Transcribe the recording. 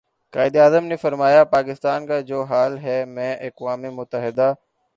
قائد اعظم نے فرمایا پاکستان جو حال ہی میں اقوام متحدہ